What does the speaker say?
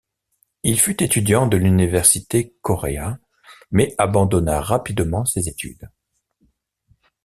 Il fut étudiant de l'universitéKorea, mais abandonna rapidement ses études.